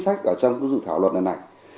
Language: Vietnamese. sách ở trong các dự thảo luật này này